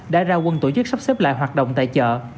đã ra quân tổ chức sắp xếp lại hoạt động tại chợ